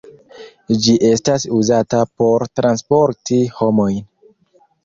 Ĝi estas uzata por transporti homojn.